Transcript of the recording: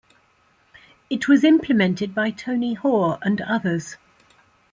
It was implemented by Tony Hoare and others.